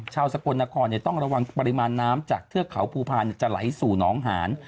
สกลนครต้องระวังปริมาณน้ำจากเทือกเขาภูพาลจะไหลสู่น้องหาน